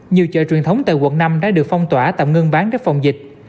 nhiều chợ truyền thống tại quận năm đã được phong tỏa tạm ngưng bán để phòng dịch